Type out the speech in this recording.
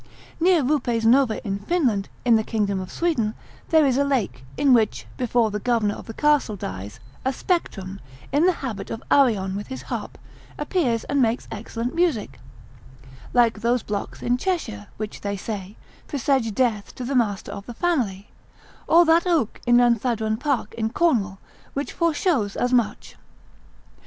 Near Rupes Nova in Finland, in the kingdom of Sweden, there is a lake, in which, before the governor of the castle dies, a spectrum, in the habit of Arion with his harp, appears, and makes excellent music, like those blocks in Cheshire, which (they say) presage death to the master of the family; or that oak in Lanthadran park in Cornwall, which foreshows as much.